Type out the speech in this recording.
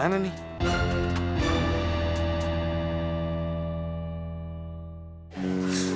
jangan pindah bu